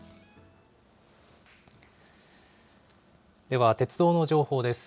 では、鉄道の情報です。